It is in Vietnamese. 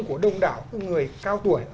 của đông đảo người cao tuổi